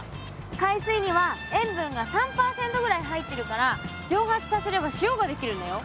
海水には塩分が３％ぐらい入ってるから蒸発させれば塩が出来るんだよ。